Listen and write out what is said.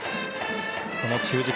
その中軸。